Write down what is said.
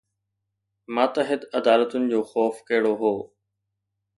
ماتحت عدالتن جو خوف ڪهڙو هو؟